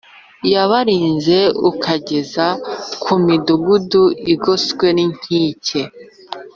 y abarinzi ukageza ku midugudu igoswe n inkike